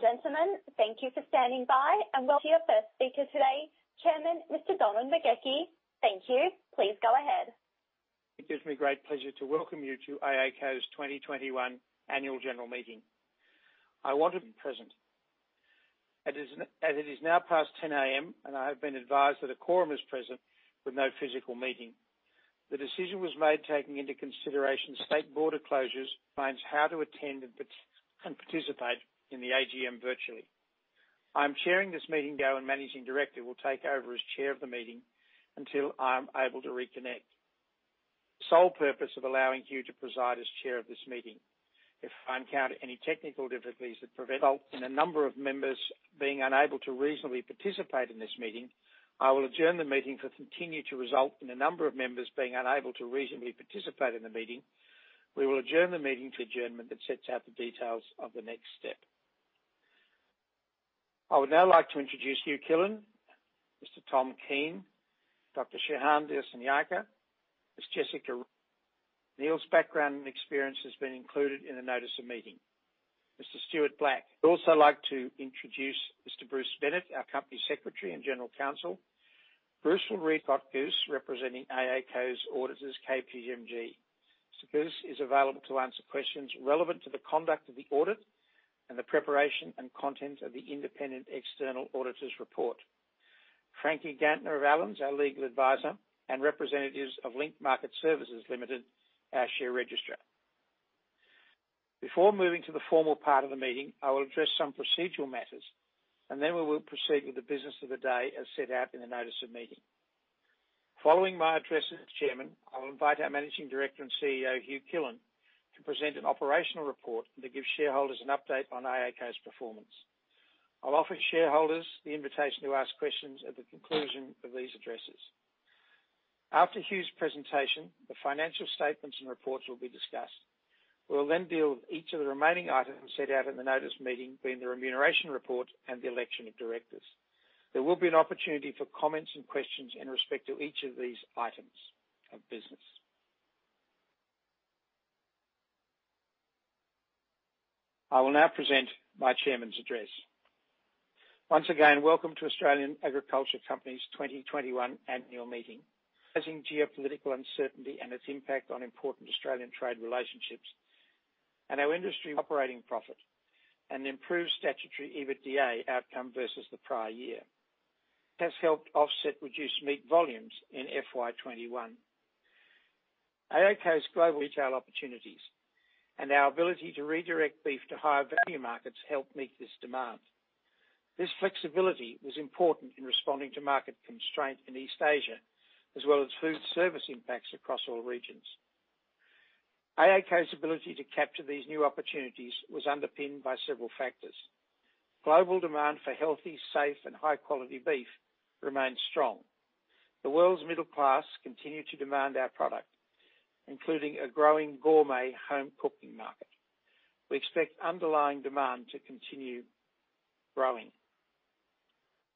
Ladies and gentlemen, thank you for standing by, and welcome to your first speaker today, Chairman Mr. Donald McGauchie. Thank you. Please go ahead. It gives me great pleasure to welcome you to AACo's 2021 Annual General Meeting. I want to be present. As it is now past 10:00 A.M., and I have been advised that a quorum is present with no physical meeting. The decision was made taking into consideration state border closures, plans how to attend, and participate in the AGM virtually. I am chairing this meeting now and Managing Director will take over as chair of the meeting until I am able to reconnect. The sole purpose of allowing Hugh to preside as chair of this meeting. If I encounter any technical difficulties that result in a number of members being unable to reasonably participate in this meeting, I will adjourn the meeting to continue to result in a number of members being unable to reasonably participate in the meeting. We will adjourn the meeting to adjournment that sets out the details of the next step. I would now like to introduce Hugh Killen, Mr. Tom Keene, Dr. Shehan Dissanayake, Ms. Jessica Rudd's background and experience has been included in the notice of meeting. Mr. Stuart Black. I'd also like to introduce Mr. Bruce Bennett, our Company Secretary and General Counsel. Bruce will read about Scott Guse representing AACo's auditors, KPMG. Mr. Guse is available to answer questions relevant to the conduct of the audit and the preparation and content of the independent external auditor's report. Franki Ganter of Allens, our legal advisor, and representatives of Link Market Services Limited, our share registrar. Before moving to the formal part of the meeting, I will address some procedural matters, and then we will proceed with the business of the day as set out in the notice of meeting. Following my address as Chairman, I will invite our Managing Director and CEO, Hugh Killen, to present an operational report and to give shareholders an update on AACo's performance. I will offer shareholders the invitation to ask questions at the conclusion of these addresses. After Hugh's presentation, the financial statements and reports will be discussed. We will then deal with each of the remaining items set out in the notice meeting, being the remuneration report and the election of directors. There will be an opportunity for comments and questions in respect to each of these items of business. I will now present my Chairman's address. Once again, welcome to Australian Agricultural Company's 2021 annual meeting. Rising geopolitical uncertainty and its impact on important Australian trade relationships and our industry operating profit, an improved statutory EBITDA outcome versus the prior year, has helped offset reduced meat volumes in FY 2021. AACo's global retail opportunities and our ability to redirect beef to higher value markets helped meet this demand. This flexibility was important in responding to market constraint in East Asia, as well as food service impacts across all regions. AACo's ability to capture these new opportunities was underpinned by several factors. Global demand for healthy, safe, and high-quality beef remained strong. The world's middle class continued to demand our product, including a growing gourmet home cooking market. We expect underlying demand to continue growing.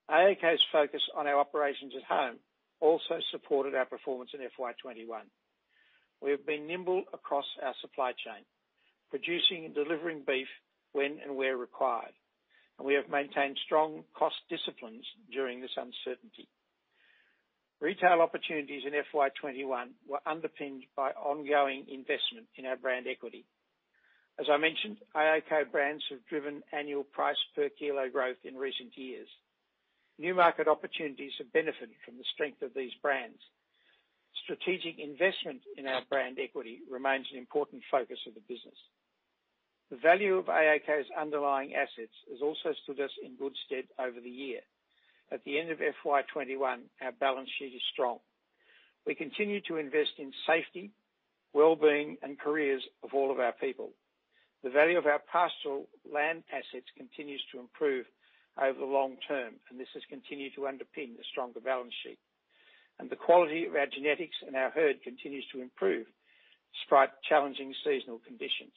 AACo's focus on our operations at home also supported our performance in FY 2021. We have been nimble across our supply chain, producing and delivering beef when and where required, and we have maintained strong cost disciplines during this uncertainty. Retail opportunities in FY 2021 were underpinned by ongoing investment in our brand equity. As I mentioned, AACo brands have driven annual price per kilo growth in recent years. New market opportunities have benefited from the strength of these brands. Strategic investment in our brand equity remains an important focus of the business. The value of AACo's underlying assets has also stood us in good stead over the year. At the end of FY 2021, our balance sheet is strong. We continue to invest in safety, well-being, and careers of all of our people. The value of our pastoral land assets continues to improve over the long term, and this has continued to underpin a stronger balance sheet. The quality of our genetics and our herd continues to improve despite challenging seasonal conditions.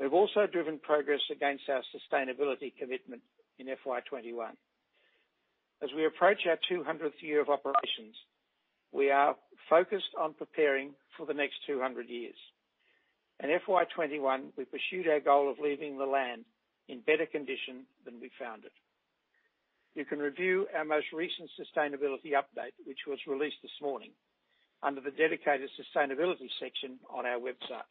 We've also driven progress against our sustainability commitment in FY 2021. As we approach our 200th year of operations, we are focused on preparing for the next 200 years. In FY 2021, we pursued our goal of leaving the land in better condition than we found it. You can review our most recent sustainability update, which was released this morning, under the dedicated sustainability section on our website.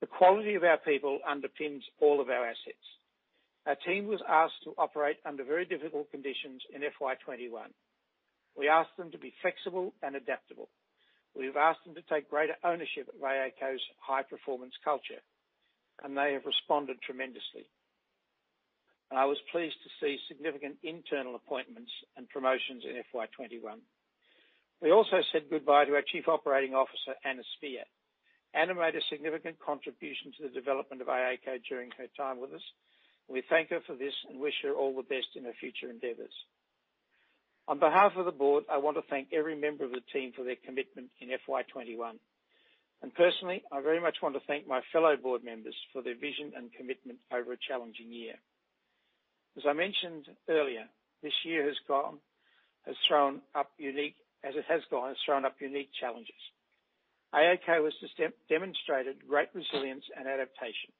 The quality of our people underpins all of our assets. Our team was asked to operate under very difficult conditions in FY 2021. We asked them to be flexible and adaptable. We've asked them to take greater ownership of AACo's high-performance culture, they have responded tremendously. I was pleased to see significant internal appointments and promotions in FY 2021. We also said goodbye to our Chief Operating Officer, Anna Speer. Anna made a significant contribution to the development of AACo during her time with us. We thank her for this and wish her all the best in her future endeavors. On behalf of the board, I want to thank every member of the team for their commitment in FY 2021. Personally, I very much want to thank my fellow board members for their vision and commitment over a challenging year. As I mentioned earlier, this year has thrown up unique challenges. AACo has demonstrated great resilience and adaptation.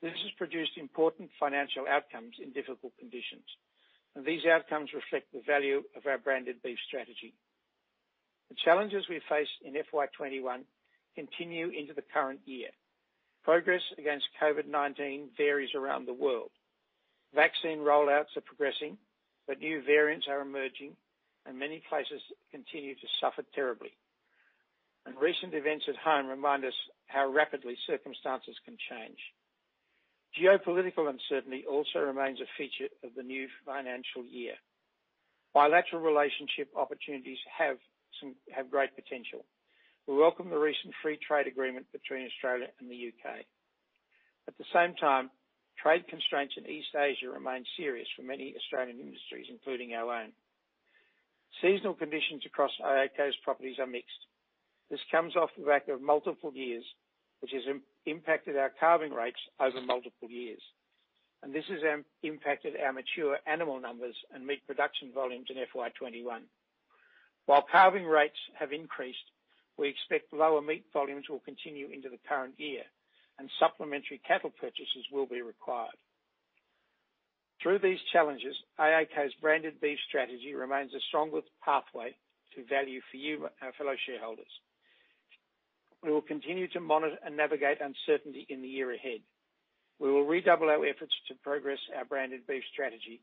This has produced important financial outcomes in difficult conditions, and these outcomes reflect the value of our branded beef strategy. The challenges we faced in FY 2021 continue into the current year. Progress against COVID-19 varies around the world. Vaccine rollouts are progressing, new variants are emerging and many places continue to suffer terribly. Recent events at home remind us how rapidly circumstances can change. Geopolitical uncertainty also remains a feature of the new financial year. Bilateral relationship opportunities have great potential. We welcome the recent free trade agreement between Australia and the U.K. At the same time, trade constraints in East Asia remain serious for many Australian industries, including our own. Seasonal conditions across AACo's properties are mixed. This comes off the back of multiple years, which has impacted our calving rates over multiple years. This has impacted our mature animal numbers and meat production volumes in FY 2021. While calving rates have increased, we expect lower meat volumes will continue into the current year and supplementary cattle purchases will be required. Through these challenges, AACo's branded beef strategy remains the strongest pathway to value for you, our fellow shareholders. We will continue to monitor and navigate uncertainty in the year ahead. We will redouble our efforts to progress our branded beef strategy,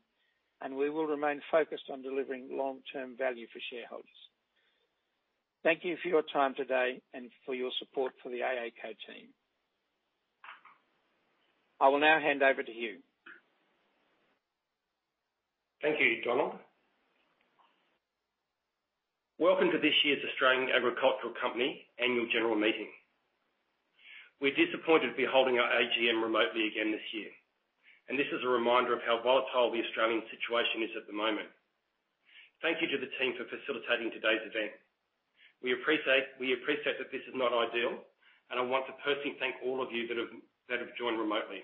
and we will remain focused on delivering long-term value for shareholders. Thank you for your time today and for your support for the AACo team. I will now hand over to Hugh. Thank you, Donald. Welcome to this year's Australian Agricultural Company annual general meeting. We're disappointed to be holding our AGM remotely again this year. This is a reminder of how volatile the Australian situation is at the moment. Thank you to the team for facilitating today's event. We appreciate that this is not ideal. I want to personally thank all of you that have joined remotely.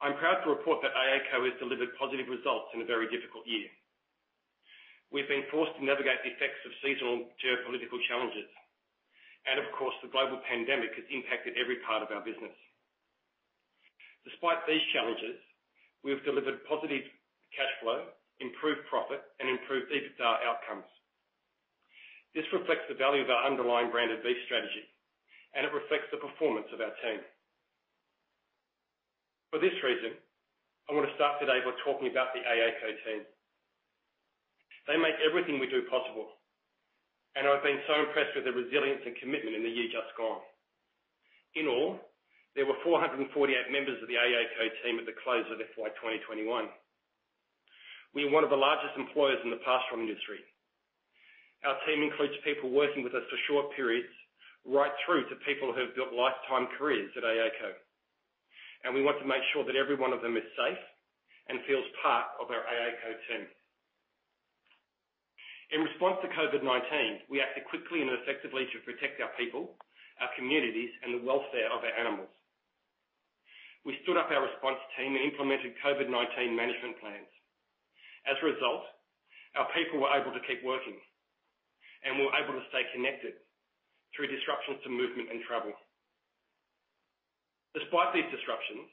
I'm proud to report that AACo has delivered positive results in a very difficult year. We've been forced to navigate the effects of seasonal geopolitical challenges. Of course, the global pandemic has impacted every part of our business. Despite these challenges, we have delivered positive cash flow, improved profit, and improved EBITDA outcomes. This reflects the value of our underlying branded beef strategy. It reflects the performance of our team. For this reason, I want to start today by talking about the AACo team. They make everything we do possible, and I've been so impressed with the resilience and commitment in the year just gone. In all, there were 448 members of the AACo team at the close of FY 2021. We are one of the largest employers in the pastoral industry. Our team includes people working with us for short periods, right through to people who have built lifetime careers at AACo, and we want to make sure that every one of them is safe and feels part of our AACo team. In response to COVID-19, we acted quickly and effectively to protect our people, our communities, and the welfare of our animals. We stood up our response team and implemented COVID-19 management plans. As a result, our people were able to keep working and were able to stay connected through disruptions to movement and travel. Despite these disruptions,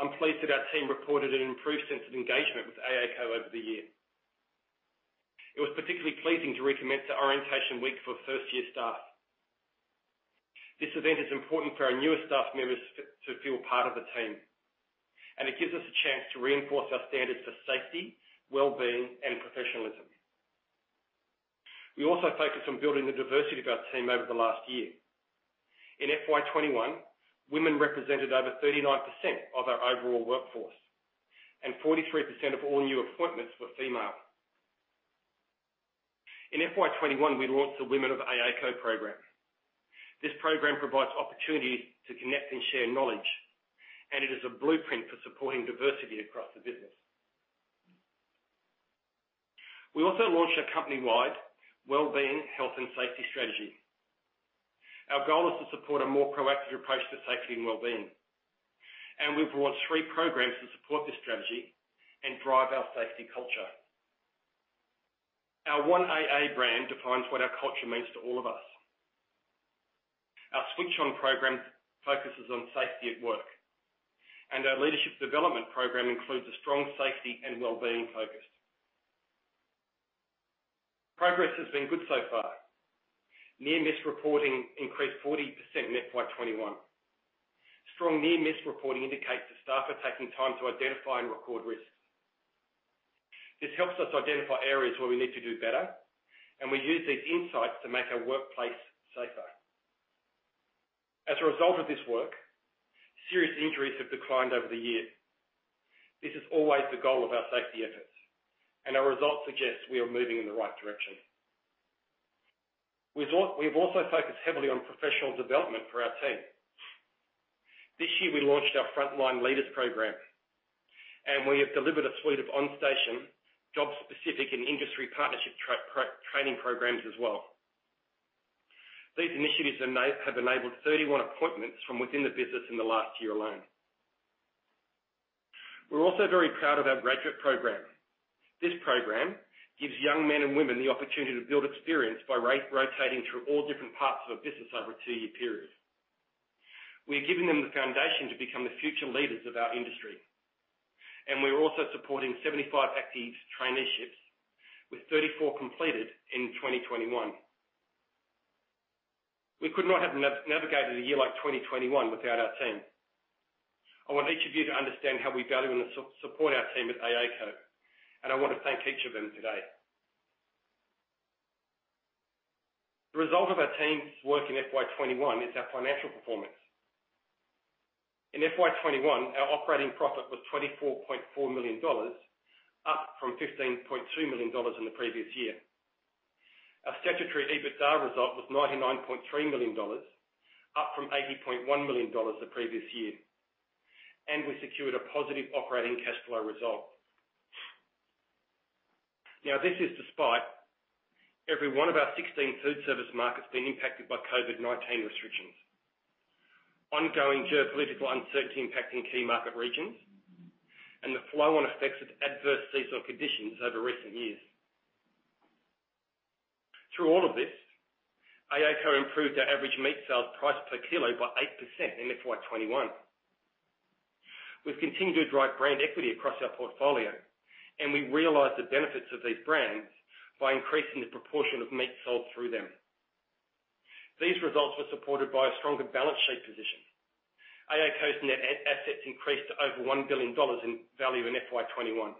I'm pleased that our team reported an improved sense of engagement with AACo over the year. It was particularly pleasing to recommence our orientation week for first-year staff. This event is important for our newer staff members to feel part of the team, and it gives us a chance to reinforce our standards for safety, well-being, and professionalism. We also focused on building the diversity of our team over the last year. In FY 2021, women represented over 39% of our overall workforce, and 43% of all new appointments were female. In FY 2021, we launched the Women of AACo program. This program provides opportunities to connect and share knowledge, and it is a blueprint for supporting diversity across the business. We also launched a company-wide well-being, health, and safety strategy. Our goal is to support a more proactive approach to safety and well-being, and we've launched three programs to support this strategy and drive our safety culture. Our One AACo defines what our culture means to all of us. Our Switch On program focuses on safety at work, and our leadership development program includes a strong safety and well-being focus. Progress has been good so far. Near-miss reporting increased 40% in FY 2021. Strong near-miss reporting indicates that staff are taking time to identify and record risks. This helps us identify areas where we need to do better, and we use these insights to make our workplace safer. As a result of this work, serious injuries have declined over the year. This is always the goal of our safety efforts, and our results suggest we are moving in the right direction. We've also focused heavily on professional development for our team. This year, we launched our Frontline Leaders program, and we have delivered a suite of on-station, job-specific, and industry partnership training programs as well. These initiatives have enabled 31 appointments from within the business in the last year alone. We're also very proud of our graduate program. This program gives young men and women the opportunity to build experience by rotating through all different parts of our business over a two-year period. We are giving them the foundation to become the future leaders of our industry, and we're also supporting 75 active traineeships, with 34 completed in 2021. We could not have navigated a year like 2021 without our team. I want each of you to understand how we value and support our team at AACo, and I want to thank each of them today. The result of our team's work in FY 2021 is our financial performance. In FY 2021, our operating profit was 24.4 million dollars, up from 15.3 million dollars in the previous year. Our statutory EBITDA result was 99.3 million dollars, up from 80.1 million dollars the previous year, and we secured a positive operating cash flow result. This is despite every one of our 16 food service markets being impacted by COVID-19 restrictions, ongoing geopolitical uncertainty impacting key market regions, and the flow-on effects of adverse seasonal conditions over recent years. Through all of this, AACo improved our average meat sales price per kilo by 8% in FY 2021. We've continued to drive brand equity across our portfolio, and we realized the benefits of these brands by increasing the proportion of meat sold through them. These results were supported by a stronger balance sheet position. AACo's net assets increased to over 1 billion dollars in value in FY 2021,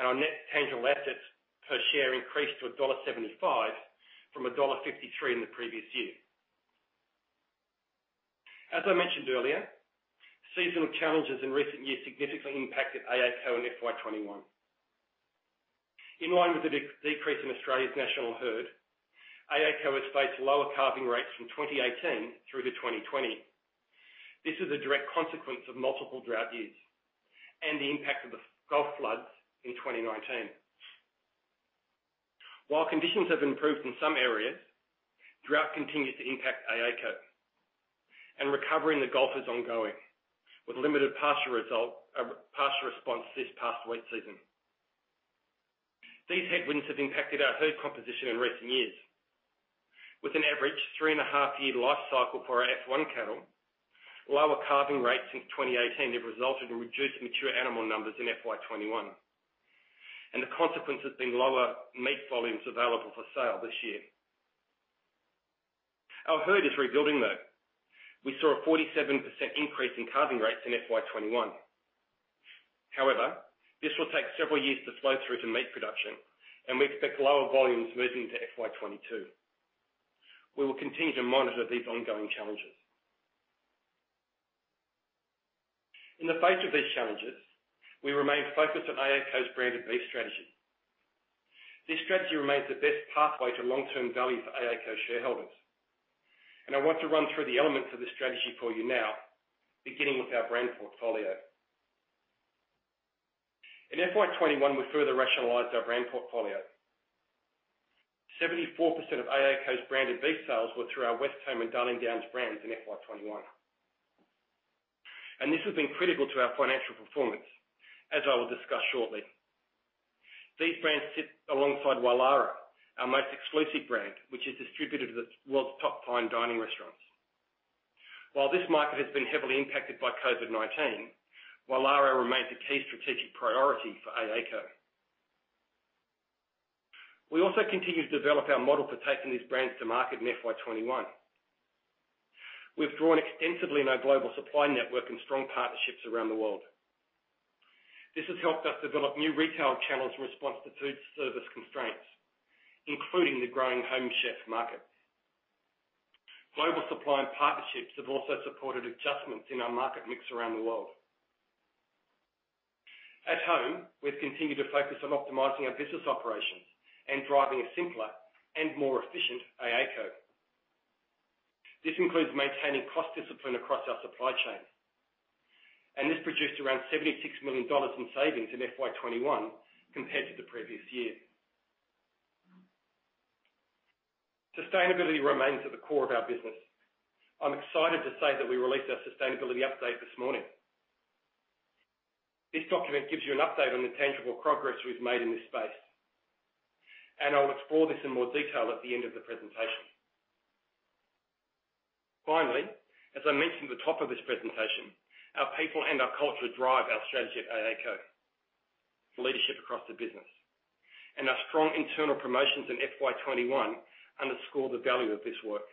and our net tangible assets per share increased to dollar 1.75 from dollar 1.53 in the previous year. As I mentioned earlier, seasonal challenges in recent years significantly impacted AACo in FY 2021. In line with the decrease in Australia's national herd, AACo has faced lower calving rates from 2018 through to 2020. This is a direct consequence of multiple drought years and the impact of the Gulf floods in 2019. While conditions have improved in some areas, drought continues to impact AACo, and recovery in the Gulf is ongoing, with limited pasture response this past wet season. These headwinds have impacted our herd composition in recent years. With an average three-and-a-half-year life cycle for our F1 cattle, lower calving rates since 2018 have resulted in reduced mature animal numbers in FY 2021, and the consequence has been lower meat volumes available for sale this year. Our herd is rebuilding, though. We saw a 47% increase in calving rates in FY 2021. However, this will take several years to flow through to meat production, and we expect lower volumes moving into FY 2022. We will continue to monitor these ongoing challenges. In the face of these challenges, we remain focused on AACo's branded beef strategy. This strategy remains the best pathway to long-term value for AACo shareholders, and I want to run through the elements of this strategy for you now, beginning with our brand portfolio. In FY 2021, we further rationalized our brand portfolio. 74% of AACo's branded beef sales were through our Westholme and Darling Downs brands in FY 2021. This has been critical to our financial performance, as I will discuss shortly. These brands sit alongside Wylarah, our most exclusive brand, which is distributed to the world's top fine dining restaurants. While this market has been heavily impacted by COVID-19, Wylarah remains a key strategic priority for AACo. We also continue to develop our model for taking these brands to market in FY 2021. We've drawn extensively on our global supply network and strong partnerships around the world. This has helped us develop new retail channels in response to food service constraints, including the growing home chef market. Global supply and partnerships have also supported adjustments in our market mix around the world. At home, we've continued to focus on optimizing our business operations and driving a simpler and more efficient AACo. This includes maintaining cost discipline across our supply chain, and this produced around 76 million dollars in savings in FY 2021 compared to the previous year. Sustainability remains at the core of our business. I'm excited to say that we released our sustainability update this morning. This document gives you an update on the tangible progress we've made in this space, and I'll explore this in more detail at the end of the presentation. Finally, as I mentioned at the top of this presentation, our people and our culture drive our strategy at AACo through leadership across the business, and our strong internal promotions in FY 2021 underscore the value of this work.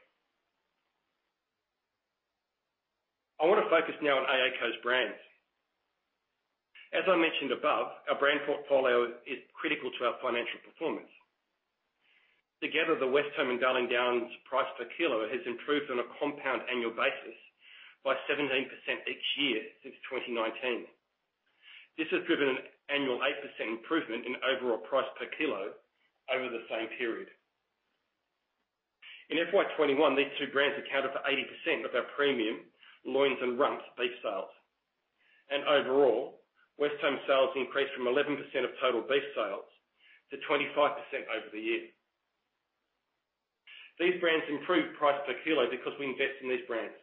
I want to focus now on AACo's brands. As I mentioned above, our brand portfolio is critical to our financial performance. Together, the Westholme and Darling Downs price per kilo has improved on a compound annual basis by 17% each year since 2019. This has driven an annual 8% improvement in overall price per kilo over the same period. In FY 2021, these two brands accounted for 80% of our premium loins and rumps beef sales. Overall, Westholme sales increased from 11% of total beef sales to 25% over the year. These brands improve price per kilo because we invest in these brands.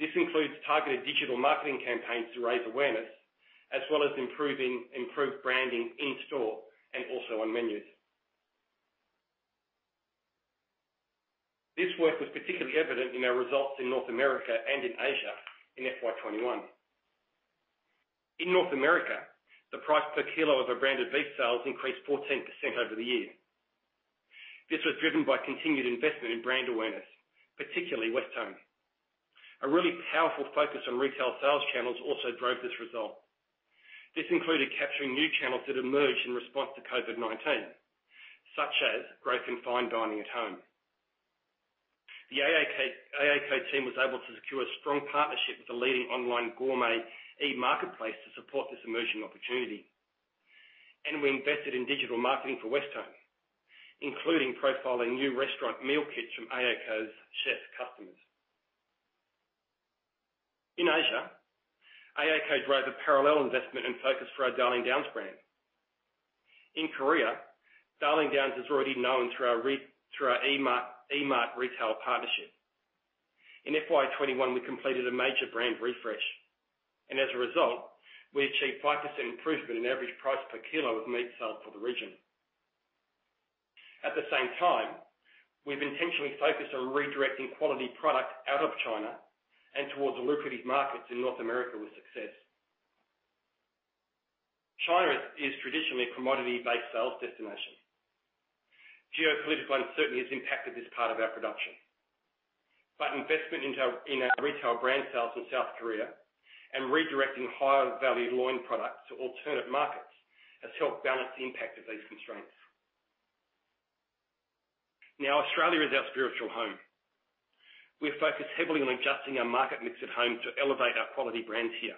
This includes targeted digital marketing campaigns to raise awareness, as well as improved branding in-store and also on menus. This work was particularly evident in our results in North America and in Asia in FY 2021. In North America, the price per kilo of our branded beef sales increased 14% over the year. This was driven by continued investment in brand awareness, particularly Westholme. A really powerful focus on retail sales channels also drove this result. This included capturing new channels that emerged in response to COVID-19, such as growth in fine dining at home. The AACo team was able to secure a strong partnership with a leading online gourmet e-marketplace to support this emerging opportunity. We invested in digital marketing for Westholme, including profiling new restaurant meal kits from AACo's chef customers. In Asia, AACo drove a parallel investment and focus for our Darling Downs brand. In Korea, Darling Downs is already known through our E-Mart retail partnership. In FY 2021, we completed a major brand refresh, and as a result, we achieved 5% improvement in average price per kilo of meat sales for the region. At the same time, we've intentionally focused on redirecting quality product out of China and towards lucrative markets in North America with success. China is traditionally a commodity-based sales destination. Geopolitical uncertainty has impacted this part of our production. Investment in our retail brand sales in South Korea and redirecting higher-value loin products to alternate markets has helped balance the impact of these constraints. Australia is our spiritual home. We are focused heavily on adjusting our market mix at home to elevate our quality brands here.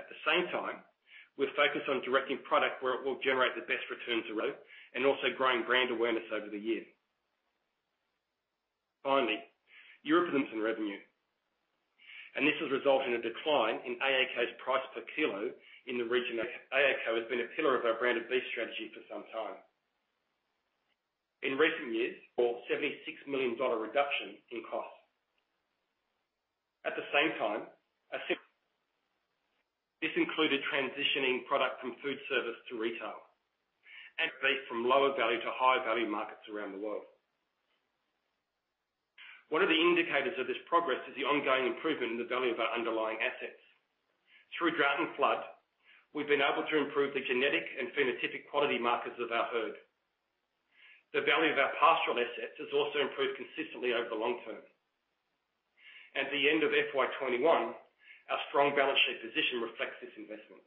At the same time, we're focused on directing product where it will generate the best returns and also growing brand awareness over the year. Europe is in revenue, and this has resulted in a decline in AACo's price per kilo in the region. AACo has been a pillar of our brand of beef strategy for some time. In recent years, for AUD 76 million reduction in cost. At the same time, this included transitioning product from food service to retail and beef from lower-value to higher-value markets around the world. One of the indicators of this progress is the ongoing improvement in the value of our underlying assets. Through drought and flood, we've been able to improve the genetic and phenotypic quality markers of our herd. The value of our pastoral assets has also improved consistently over the long term. At the end of FY 2021, our strong balance sheet position reflects this investment.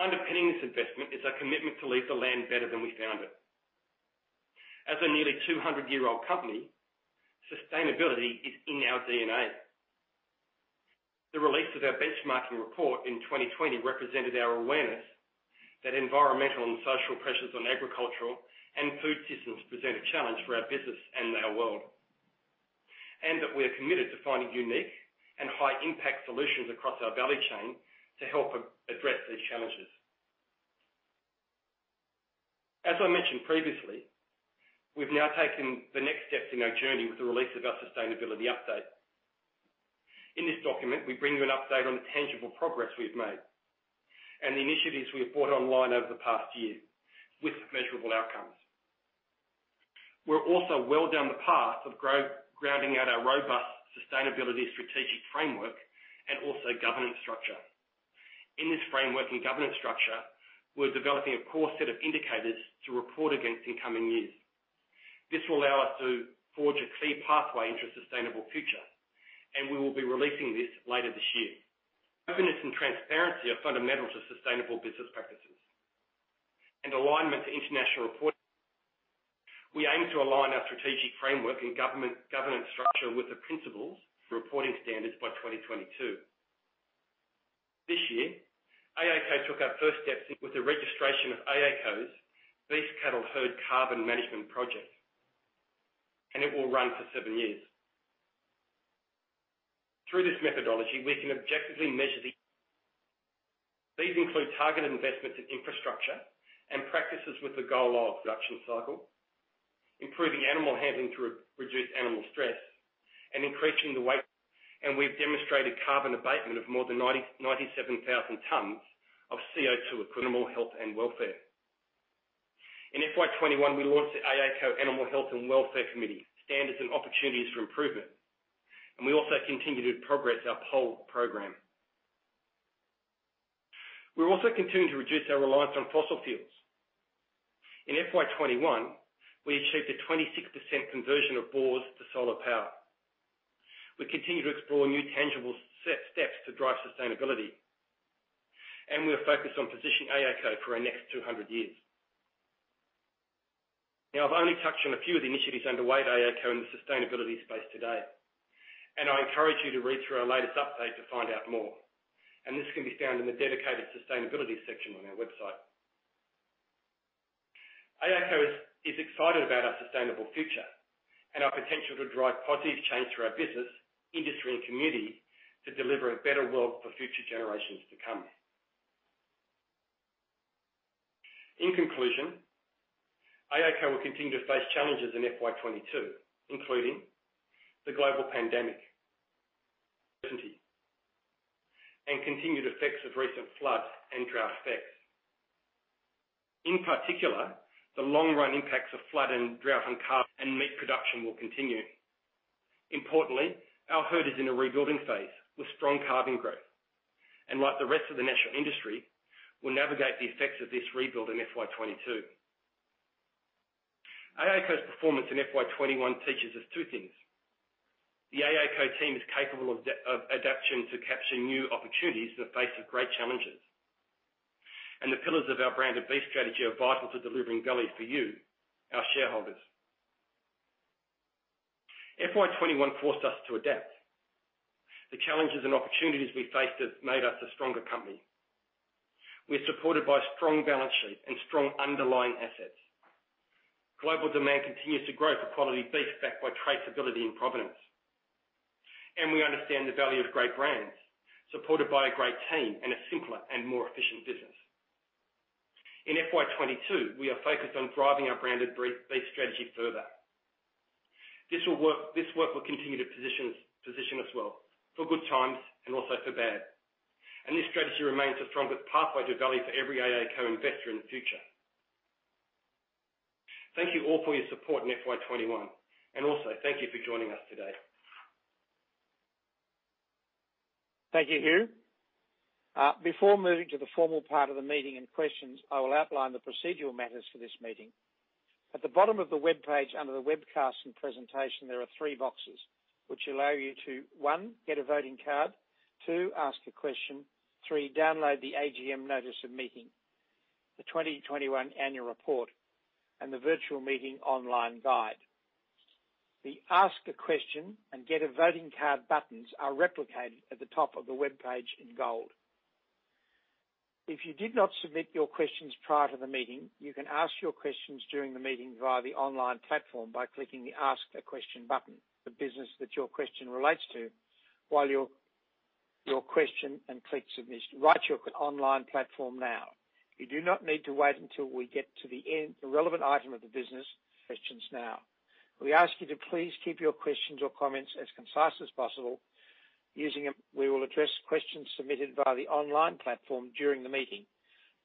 Underpinning this investment is our commitment to leave the land better than we found it. As a nearly 200-year-old company, sustainability is in our DNA. The release of our benchmarking report in 2020 represented our awareness that environmental and social pressures on agricultural and food systems present a challenge for our business and our world, and that we are committed to finding unique and high-impact solutions across our value chain to help address these challenges. As I mentioned previously, we've now taken the next steps in our journey with the release of our Sustainability Update. In this document, we bring you an update on the tangible progress we've made and the initiatives we have brought online over the past year with measurable outcomes. We're also well down the path of grounding out our robust sustainability strategic framework and also governance structure. In this framework and governance structure, we're developing a core set of indicators to report against in coming years. This will allow us to forge a clear pathway into a sustainable future, and we will be releasing this later this year. Openness and transparency are fundamental to sustainable business practices and alignment to international. We aim to align our strategic framework and governance structure with the principles for reporting standards by 2022. This year, AACo took our first steps with the registration of AACo's beef cattle herd carbon management project, and it will run for seven years. Through this methodology, we can objectively measure. These include targeted investments in infrastructure and practices with the goal of production cycle, improving animal handling to reduce animal stress, and increasing the weight. We've demonstrated carbon abatement of more than 97,000 tons of CO2 equivalent. Animal health and welfare. In FY 2021, we launched the AACo Animal Health and Welfare Committee. Standards and opportunities for improvement. We also continue to progress our whole program. We're also continuing to reduce our reliance on fossil fuels. In FY 2021, we achieved a 26% conversion of bores to solar power. We continue to explore new tangible steps to drive sustainability, and we are focused on positioning AACo for our next 200 years. Now, I've only touched on a few of the initiatives underway at AACo in the sustainability space today, and I encourage you to read through our latest update to find out more. This can be found in the dedicated sustainability section on our website. AACo is excited about our sustainable future and our potential to drive positive change through our business, industry, and community to deliver a better world for future generations to come. In conclusion, AACo will continue to face challenges in FY 2022, including the global pandemic, uncertainty, and continued effects of recent floods and drought effects. In particular, the long-run impacts of flood and drought on cattle and meat production will continue. Importantly, our herd is in a rebuilding phase with strong calving growth. Like the rest of the national industry, we'll navigate the effects of this rebuild in FY 2022. AACo's performance in FY 2021 teaches us two things. The AACo team is capable of adaption to capture new opportunities in the face of great challenges, and the pillars of our branded beef strategy are vital to delivering value for you, our shareholders. FY 2021 forced us to adapt. The challenges and opportunities we faced have made us a stronger company. We're supported by a strong balance sheet and strong underlying assets. Global demand continues to grow for quality beef backed by traceability and provenance. We understand the value of great brands, supported by a great team and a simpler and more efficient business. In FY 2022, we are focused on driving our branded beef strategy further. This work will continue to position us well for good times and also for bad. This strategy remains the strongest pathway to value for every AACo investor in the future. Thank you all for your support in FY 2021, and also thank you for joining us today. Thank you, Hugh. Before moving to the formal part of the meeting and questions, I will outline the procedural matters for this meeting. At the bottom of the webpage, under the webcast and presentation, there are three boxes which allow you to, one, get a voting card. Two, ask a question. Three, download the AGM notice of meeting, the 2021 annual report, and the virtual meeting online guide. The Ask a Question and Get a Voting Card buttons are replicated at the top of the webpage in gold. If you did not submit your questions prior to the meeting, you can ask your questions during the meeting via the online platform by clicking the Ask a Question button, the business that your question relates to, your question, and click Submit. Write your online platform now. You do not need to wait until we get to the relevant item of the business, questions now. We ask you to please keep your questions or comments as concise as possible. We will address questions submitted via the online platform during the meeting.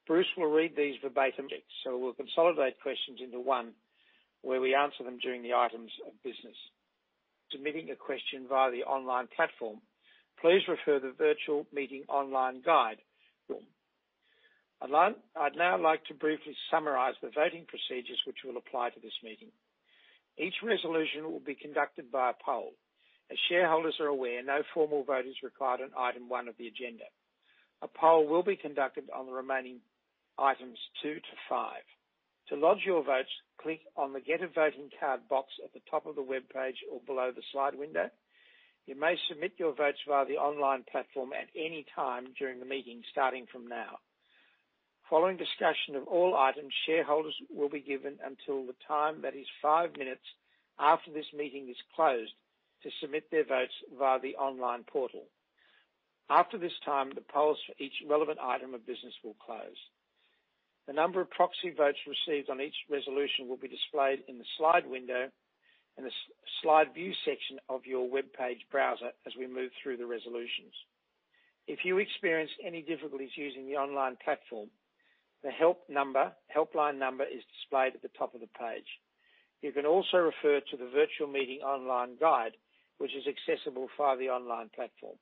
Bruce will read these verbatim, so we'll consolidate questions into one where we answer them during the items of business. Submitting a question via the online platform, please refer the virtual meeting online guide. I'd now like to briefly summarize the voting procedures which will apply to this meeting. Each resolution will be conducted by a poll. As shareholders are aware, no formal vote is required on item 1 of the agenda. A poll will be conducted on the remaining items 2-5. To lodge your votes, click on the Get a Voting Card box at the top of the webpage or below the slide window. You may submit your votes via the online platform at any time during the meeting, starting from now. Following discussion of all items, shareholders will be given until the time that is five minutes after this meeting is closed to submit their votes via the online portal. After this time, the polls for each relevant item of business will close. The number of proxy votes received on each resolution will be displayed in the slide window and the slide view section of your webpage browser as we move through the resolutions. If you experience any difficulties using the online platform, the helpline number is displayed at the top of the page. You can also refer to the virtual meeting online guide, which is accessible via the online platform.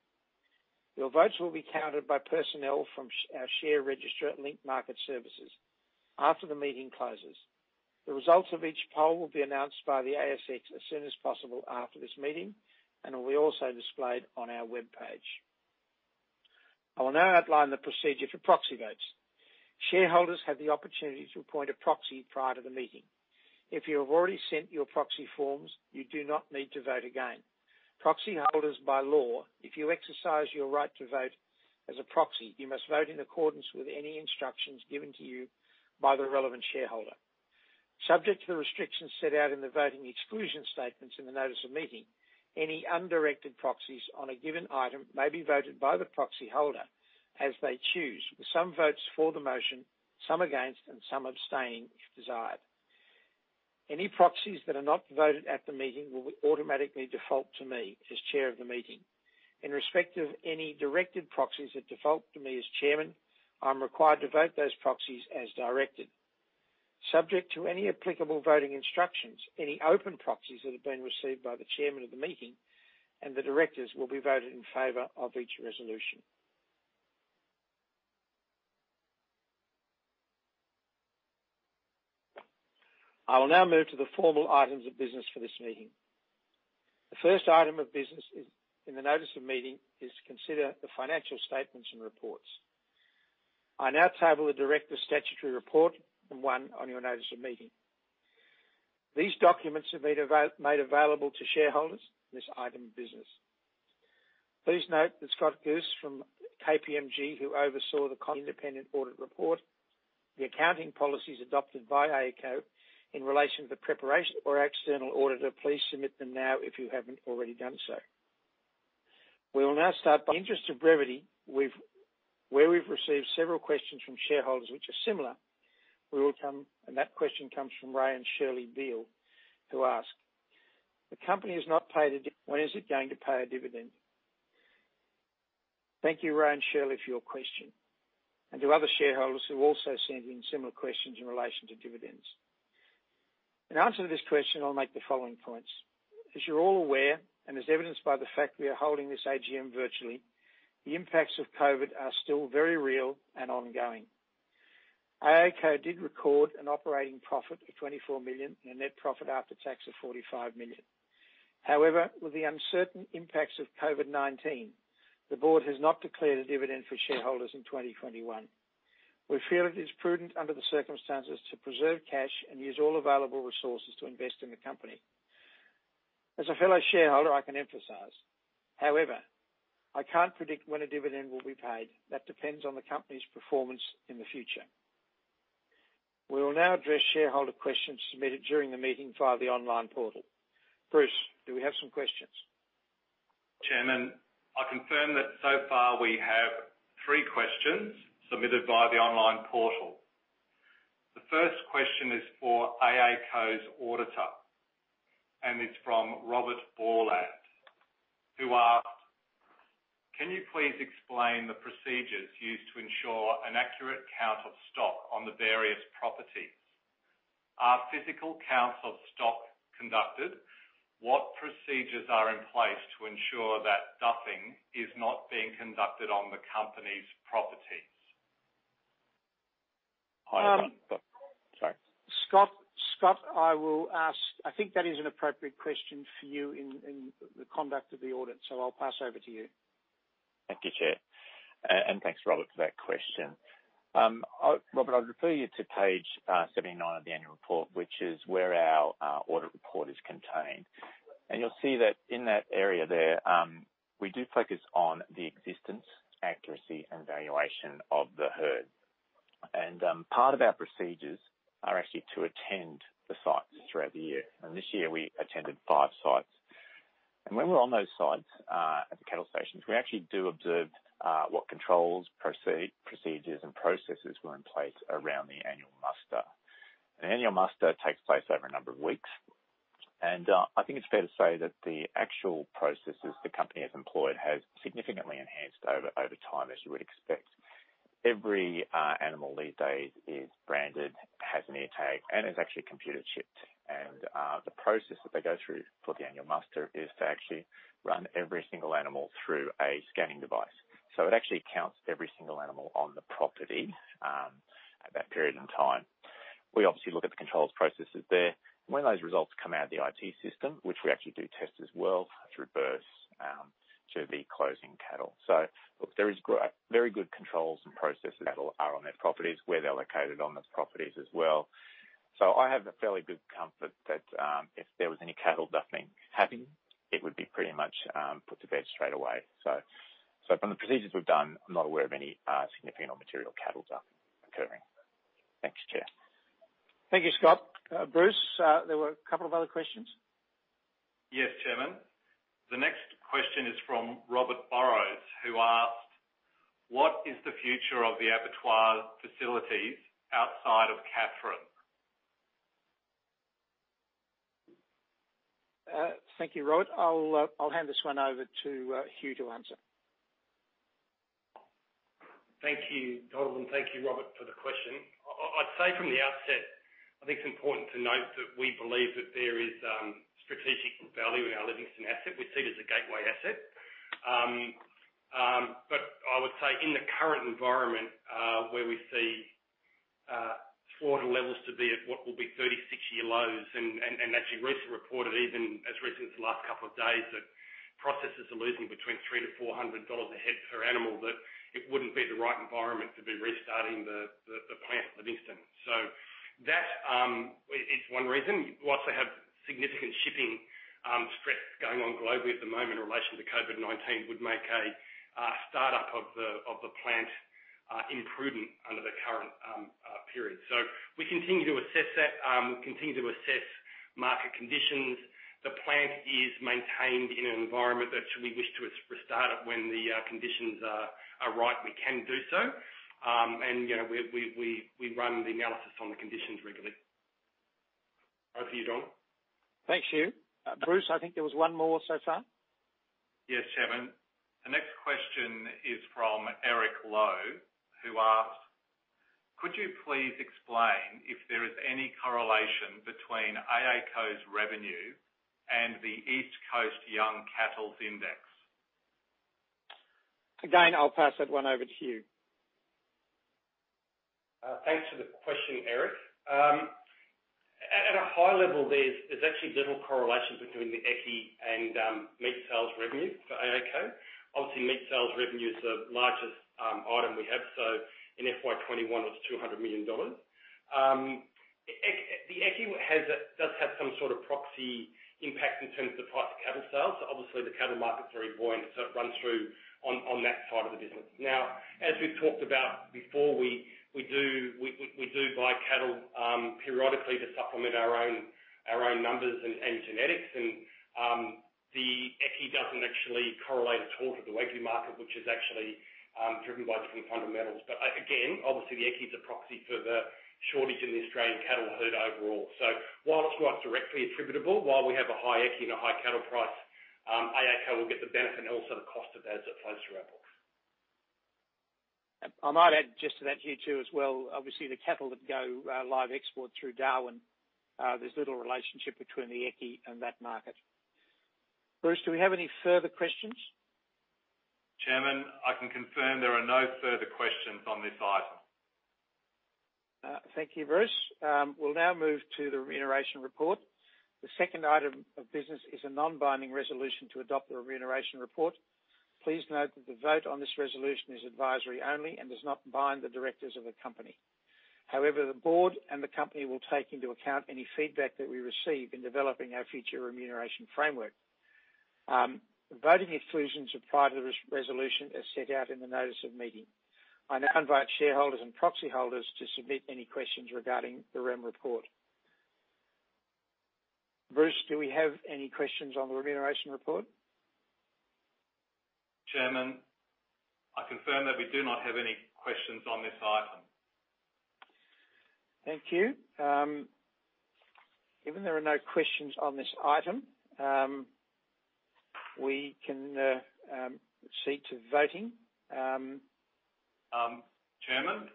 Your votes will be counted by personnel from our share registrar at Link Market Services after the meeting closes. The results of each poll will be announced by the ASX as soon as possible after this meeting and will be also displayed on our webpage. I will now outline the procedure for proxy votes. Shareholders have the opportunity to appoint a proxy prior to the meeting. If you have already sent your proxy forms, you do not need to vote again. Proxy holders, by law, if you exercise your right to vote as a proxy, you must vote in accordance with any instructions given to you by the relevant shareholder. Subject to the restrictions set out in the voting exclusion statements in the notice of meeting, any undirected proxies on a given item may be voted by the proxy holder as they choose, with some votes for the motion, some against, and some abstaining if desired. Any proxies that are not voted at the meeting will automatically default to me as chair of the meeting. In respect of any directed proxies that default to me as Chairman, I'm required to vote those proxies as directed. Subject to any applicable voting instructions, any open proxies that have been received by the Chairman of the meeting and the directors will be voted in favor of each resolution. I will now move to the formal items of business for this meeting. The first item of business in the notice of meeting is to consider the financial statements and reports. I now table the directors' statutory report, the one on your notice of meeting. These documents have been made available to shareholders in this item of business. Please note that Scott Guse from KPMG, who oversaw the independent audit report, the accounting policies adopted by AACo in relation to the preparation or external auditor, please submit them now if you haven't already done so. We will now start, by interest of brevity, where we've received several questions from shareholders which are similar. That question comes from Ray and Shirley Beale, who ask, "The company has not paid a dividend. When is it going to pay a dividend?" Thank you, Ray and Shirley, for your question, and to other shareholders who also sent in similar questions in relation to dividends. In answer to this question, I'll make the following points. As you're all aware, and as evidenced by the fact we are holding this AGM virtually, the impacts of COVID are still very real and ongoing. AACo did record an operating profit of 24 million and a net profit after tax of 45 million. However, with the uncertain impacts of COVID-19, the board has not declared a dividend for shareholders in 2021. We feel it is prudent under the circumstances to preserve cash and use all available resources to invest in the company. As a fellow shareholder, I can emphasize. However, I can't predict when a dividend will be paid. That depends on the company's performance in the future. We will now address shareholder questions submitted during the meeting via the online portal. Bruce, do we have some questions? Chairman, I confirm that so far we have three questions submitted via the online portal. The first question is for AACo's auditor, and it's from Robert Borland, who asked, "Can you please explain the procedures used to ensure an accurate count of stock on the various properties? Are physical counts of stock conducted? What procedures are in place to ensure that duffing is not being conducted on the company's properties? [inaudible] Scott, I think that is an appropriate question for you in the conduct of the audit. I'll pass over to you. Thank you, Chair, and thanks, Robert, for that question. Robert, I'd refer you to page 79 of the annual report, which is where our audit report is contained. You'll see that in that area there, we do focus on the existence, accuracy, and valuation of the herd. Part of our procedures are actually to attend the sites throughout the year. This year we attended five sites. When we're on those sites, at the cattle stations, we actually do observe what controls, procedures, and processes were in place around the annual muster. An annual muster takes place over a number of weeks. I think it's fair to say that the actual processes the company has employed has significantly enhanced over time, as you would expect. Every animal these days is branded, has an ear tag, and is actually computer chipped. The process that they go through for the annual muster is to actually run every single animal through a scanning device. It actually counts every single animal on the property at that period in time. We obviously look at the controls processes there. When those results come out of the IT system, which we actually do test as well, it's reversed to the closing cattle. Look, there is very good controls and processes that are on their properties, where they're located on the properties as well. I have a fairly good comfort that if there was any cattle duffing happening, it would be pretty much put to bed straight away. From the procedures we've done, I'm not aware of any significant or material cattle duff occurring. Thanks, Chair. Thank you, Scott. Bruce, there were a couple of other questions. Yes, Chairman. The next question is from Robert Burrows, who asked, "What is the future of the abattoir facilities outside of Katherine? Thank you, Robert. I'll hand this one over to Hugh to answer. Thank you, Donald, and thank you, Robert, for the question. I'd say from the outset, I think it's important to note that we believe that there is strategic value in our Livingstone asset. We see it as a gateway asset. I would say in the current environment, where we see slaughter levels to be at what will be 36-year lows and actually recently reported even as recent as the last couple of days, that processors are losing between 300 to 400 dollars a head per animal, that it wouldn't be the right environment to be restarting the plant at Livingstone. That is one reason. We also have significant shipping stress going on globally at the moment in relation to COVID-19 would make a startup of the plant imprudent under the current period. We continue to assess that. We continue to assess market conditions. The plant is maintained in an environment that should we wish to restart it when the conditions are ripe, we can do so. We run the analysis on the conditions regularly. Over to you, Donald. Thanks, Hugh. Bruce, I think there was one more so far. Yes, Chairman. The next question is from Eric Lowe, who asks, "Could you please explain if there is any correlation between AACo's revenue and the Eastern Young Cattle Indicator? I'll pass that one over to Hugh. Thanks for the question, Eric. At a high level, there's actually little correlation between the EYCI and meat sales revenue for AACo. Obviously, meat sales revenue is the largest item we have. In FY 2021 or million dollars. The EYCI does have some sort of proxy impact in terms of price of cattle sales. Obviously the cattle market is very buoyant, so it runs through on that side of the business. As we've talked about before, we do buy cattle periodically to supplement our own numbers and genetics. The EYCI doesn't actually correlate at all to the Wagyu market, which is actually driven by different fundamentals. Again, obviously the EYCI is a proxy for the shortage in the Australian cattle herd overall. While it's not directly attributable, while we have a high EYCI and a high cattle price, AACo will get the benefit and also the cost of that as it flows through our books. I might add just to that, Hugh, too, as well, obviously the cattle that go live export through Darwin, there's little relationship between the EYCI and that market. Bruce, do we have any further questions? Chairman, I can confirm there are no further questions on this item. Thank you, Bruce. We'll now move to the remuneration report. The second item of business is a non-binding resolution to adopt the remuneration report. Please note that the vote on this resolution is advisory only and does not bind the directors of the company. However, the board and the company will take into account any feedback that we receive in developing our future remuneration framework. The voting exclusions apply to this resolution as set out in the notice of meeting. I now invite shareholders and proxy holders to submit any questions regarding the rem report. Bruce, do we have any questions on the remuneration report? Chairman, I confirm that we do not have any questions on this item. Thank you. Given there are no questions on this item, we can proceed to voting. Chairman,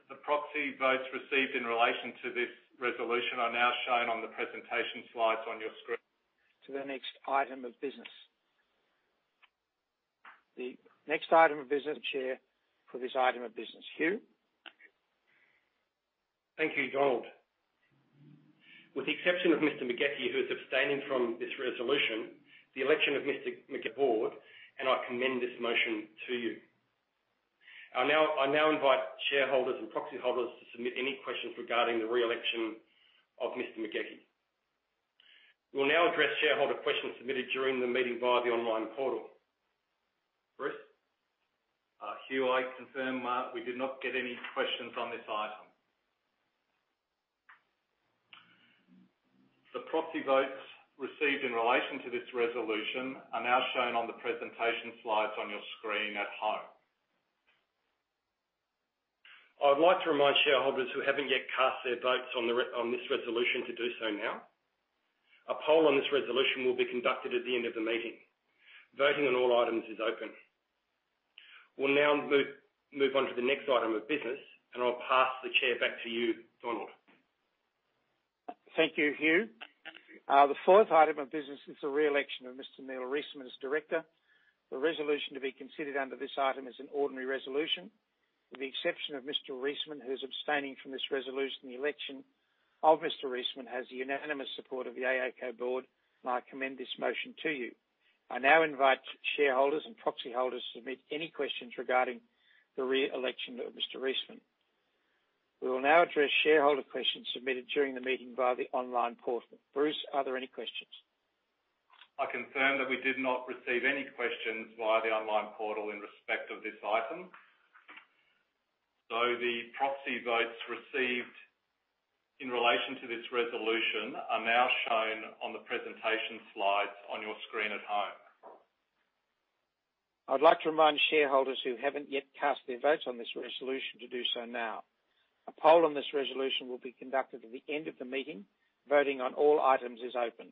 the proxy votes received in relation to this resolution are now shown on the presentation slides on your screen. To the next item of business. The next item of business, Chair, for this item of business. Hugh? Thank you, Donald. With the exception of Mr. McGauchie, who is abstaining from this resolution, the election of Mr. McGauchie board, I commend this motion to you. I now invite shareholders and proxy holders to submit any questions regarding the re-election of Mr. McGauchie. We will now address shareholder questions submitted during the meeting via the online portal. Bruce? Hugh, I confirm we did not get any questions on this item. The proxy votes received in relation to this resolution are now shown on the presentation slides on your screen at home. I would like to remind shareholders who haven't yet cast their votes on this resolution to do so now. A poll on this resolution will be conducted at the end of the meeting. Voting on all items is open. We'll now move on to the next item of business, and I'll pass the chair back to you, Donald. Thank you, Hugh. The fourth item of business is the re-election of Mr. Neil Reisman as director. The resolution to be considered under this item is an ordinary resolution. With the exception of Mr. Reisman, who is abstaining from this resolution, the election of Mr. Reisman has the unanimous support of the AACo board, and I commend this motion to you. I now invite shareholders and proxy holders to submit any questions regarding the re-election of Mr. Reisman. We will now address shareholder questions submitted during the meeting via the online portal. Bruce, are there any questions? I confirm that we did not receive any questions via the online portal in respect of this item. The proxy votes received in relation to this resolution are now shown on the presentation slides on your screen at home. I'd like to remind shareholders who haven't yet cast their votes on this resolution to do so now. A poll on this resolution will be conducted at the end of the meeting. Voting on all items is open.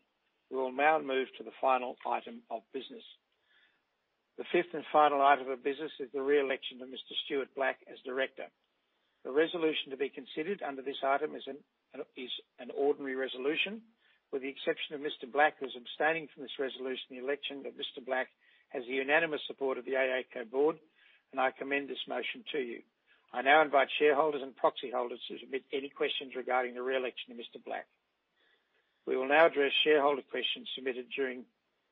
We will now move to the final item of business. The fifth and final item of business is the re-election of Mr. Stuart Black as director. The resolution to be considered under this item is an ordinary resolution. With the exception of Mr. Black, who is abstaining from this resolution, the election of Mr. Black has the unanimous support of the AACo board, I commend this motion to you. I now invite shareholders and proxy holders to submit any questions regarding the re-election of Mr. Black. We will now address shareholder questions submitted during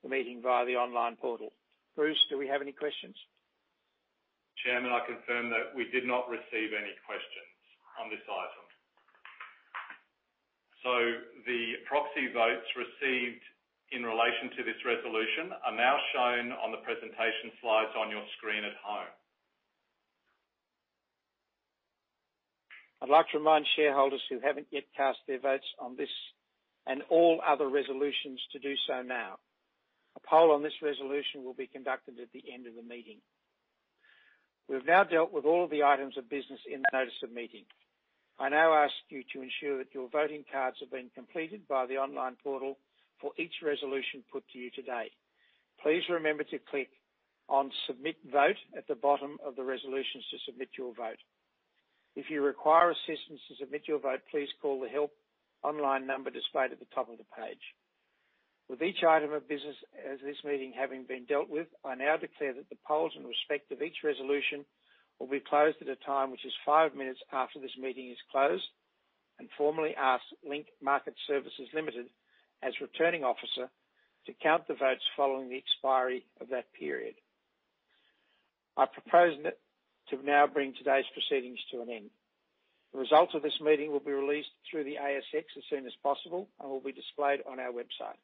the meeting via the online portal. Bruce, do we have any questions? Chairman, I confirm that we did not receive any questions on this item. The proxy votes received in relation to this resolution are now shown on the presentation slides on your screen at home. I'd like to remind shareholders who haven't yet cast their votes on this and all other resolutions to do so now. A poll on this resolution will be conducted at the end of the meeting. We have now dealt with all of the items of business in the notice of meeting. I now ask you to ensure that your voting cards have been completed via the online portal for each resolution put to you today. Please remember to click on Submit Vote at the bottom of the resolutions to submit your vote. If you require assistance to submit your vote, please call the help online number displayed at the top of the page. With each item of business as this meeting having been dealt with, I now declare that the polls in respect of each resolution will be closed at a time which is five minutes after this meeting is closed and formally ask Link Market Services Limited as returning officer to count the votes following the expiry of that period. I propose to now bring today's proceedings to an end. The results of this meeting will be released through the ASX as soon as possible and will be displayed on our website.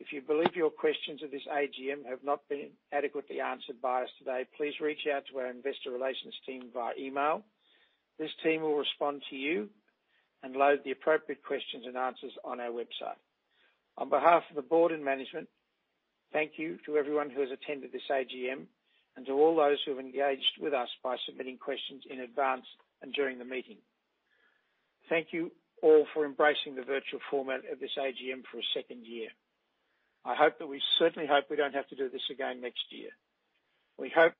If you believe your questions of this AGM have not been adequately answered by us today, please reach out to our investor relations team via email. This team will respond to you and load the appropriate questions and answers on our website. On behalf of the board and management, thank you to everyone who has attended this AGM and to all those who have engaged with us by submitting questions in advance and during the meeting. Thank you all for embracing the virtual format of this AGM for a second year. We certainly hope we don't have to do this again next year.